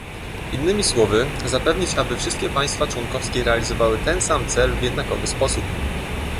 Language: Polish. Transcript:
Innymi słowy, zapewnić aby wszystkie państwa członkowskie realizowały ten cel w jednakowy sposób